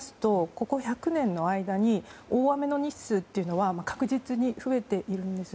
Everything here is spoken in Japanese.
ここ１００年の間に大雨の日数というのは確実に増えているんです。